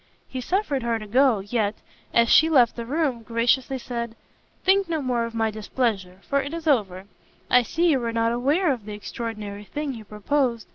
He suffered her to go, yet, as she left the room, graciously said, "Think no more of my displeasure, for it is over: I see you were not aware of the extraordinary thing you proposed.